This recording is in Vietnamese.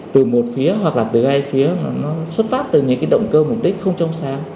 từ một phía hoặc là từ hai phía nó xuất phát từ những động cơ mục đích không trông sang